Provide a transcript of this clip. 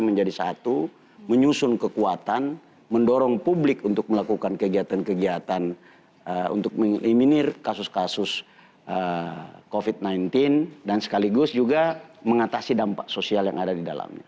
menjadi satu menyusun kekuatan mendorong publik untuk melakukan kegiatan kegiatan untuk mengeliminir kasus kasus covid sembilan belas dan sekaligus juga mengatasi dampak sosial yang ada di dalamnya